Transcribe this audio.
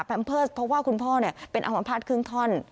เพิร์สเพราะว่าคุณพ่อเป็นอัมภาษณครึ่งท่อน